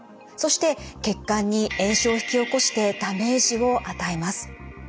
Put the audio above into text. そして血管に炎症を引き起こしてダメージを与えます。